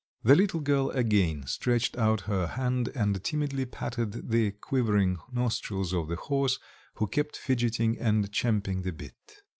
The little girl again stretched out her hand and timidly patted the quivering nostrils of the horse, who kept fidgeting and champing the bit.